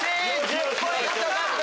１０ポイント獲得。